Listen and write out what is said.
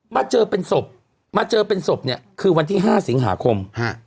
มาเจอเป็นศพมาเจอเป็นศพเนี่ยคือวันที่๕สิงหาคม